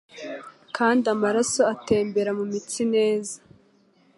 kandi amaraso atembera mu mitsi neza.